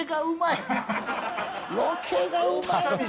ロケがうまいな。